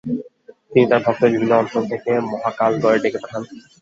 তিনি তার ভক্তদের বিভিন্ন অঞ্চল থেকে মহাকালগড়ে ডেকে পাঠান।